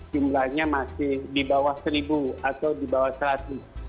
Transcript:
jumlahnya masih di bawah seribu atau di bawah seratus